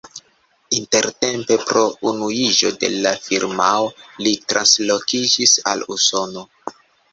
Intertempe pro unuiĝo de la firmao li translokiĝis al Usono.